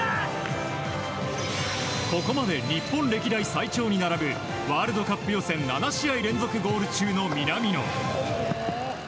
ここまで日本歴代最長に並ぶワールドカップ予選７試合連続ゴール中の南野。